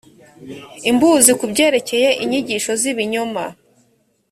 imbuzi ku byerekeye inyigisho z ibinyoma